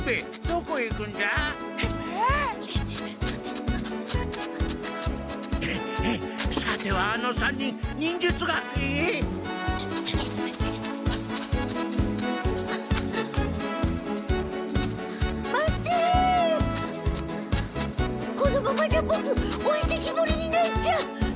このままじゃボクおいてきぼりになっちゃう。